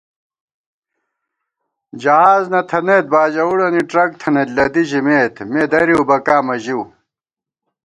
جہاز نہ تھنَئیت باجَوُڑَنی ٹرک تھنَئیت لدِی ژمېت مےدرِؤ بَکا مَژِؤ